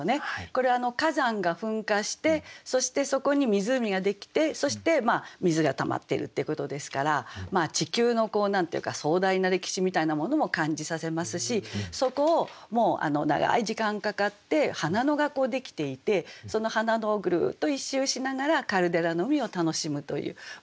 これは火山が噴火してそしてそこに湖ができてそして水がたまっているっていうことですから地球の壮大な歴史みたいなものも感じさせますしそこを長い時間かかって花野ができていてその花野をぐるっと一周しながらカルデラの湖を楽しむという。